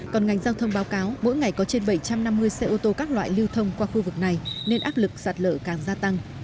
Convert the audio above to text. còn ngành giao thông báo cáo mỗi ngày có trên bảy trăm năm mươi xe ô tô các loại lưu thông qua khu vực này nên áp lực sạt lở càng gia tăng